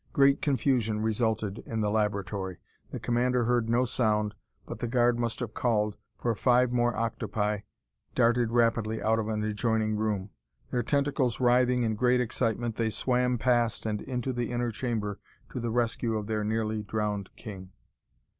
Great confusion resulted in the laboratory. The commander heard no sound, but the guard must have called, for five more octopi darted rapidly out of an adjoining room. Their tentacles writhing in great excitement, they swam past and into the inner chamber to the rescue of their nearly drowned king.